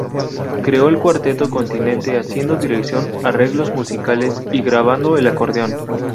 Creo el Cuarteto Continente haciendo dirección, arreglos musicales y grabando el acordeón.